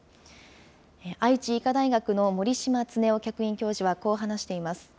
愛知医科大学の森島恒雄客員教授はこう話しています。